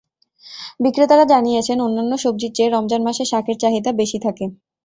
বিক্রেতারা জানিয়েছেন, অন্যান্য সবজির চেয়ে রমজান মাসে শাকের চাহিদা বেশি থাকে।